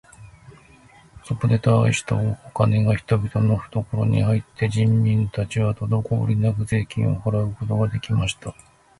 そこで大したお金が人々のふところに入って、人民たちはとどこおりなく税金を払うことが出来ました。